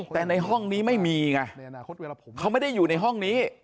แต่ในห้องนี้ไม่มีไงเขาไม่ได้อยู่ในห้องนี้